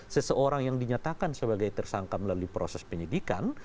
seseorang yang dinyatakan sebagai tersangka melalui proses penyidikan